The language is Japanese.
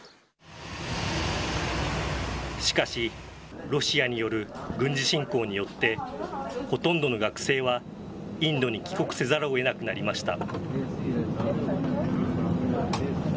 しかし、ロシアによる軍事侵攻によって、ほとんどの学生はインドに帰国せざるをえなくなりました。